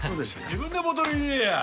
自分でボトル入れやあ！